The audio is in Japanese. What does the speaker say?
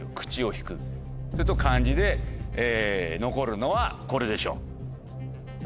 引くと漢字で残るのはこれでしょ。